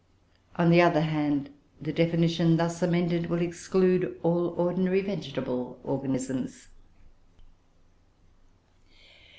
On the other hand, the definition thus amended will exclude all ordinary vegetable organisms.